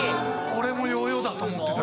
俺もヨーヨーだと思ってた。